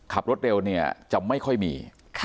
ขับรถเร็วจะไม่ค่อยมี